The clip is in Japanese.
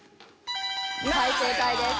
はい正解です。